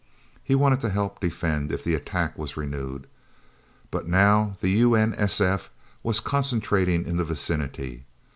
He wanted to help defend, if the attack was renewed. But now the U.N.S.F. was concentrating in the vicinity.